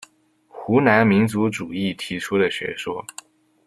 湖南民族主义提出的学说。